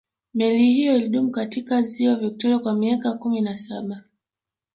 meli hiyo ilidumu katika ziwa victoria kwa miaka kumi na saba